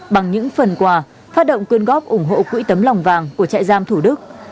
bằng những phần quà phát động quyên góp ủng hộ quỹ tấm lòng vàng của trại giam thủ đức